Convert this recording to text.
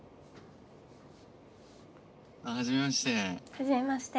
はじめまして。